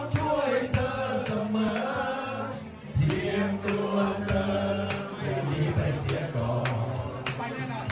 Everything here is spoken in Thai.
ช่วยเธอเสมอเพียงตัวเธอไม่มีใบเสียก่อน